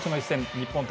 日本対